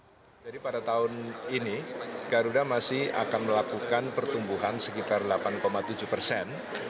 jadi pada tahun ini garuda masih akan melakukan pertumbuhan sekitar delapan tujuh persen